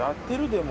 でも。